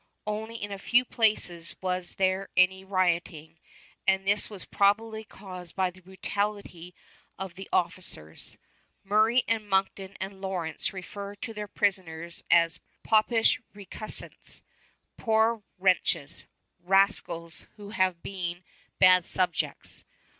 Only in a few places was there any rioting, and this was probably caused by the brutality of the officers. Murray and Monckton and Lawrence refer to their prisoners as "Popish recusants," "poor wretches," "rascals who have been bad subjects."